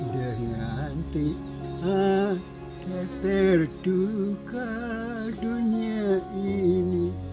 dengan tiang yang terduka dunia ini